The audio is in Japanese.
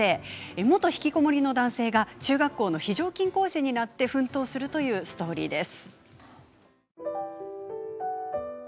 元引きこもりの男性が中学校の非常勤講師になって奮闘するというストーリーです。